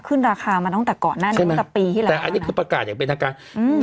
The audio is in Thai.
ขึ้นราคามาตั้งแต่ก่อนหน้านี้ตั้งแต่ปีที่แล้วแต่อันนี้คือประกาศอย่างเป็นทางการอืม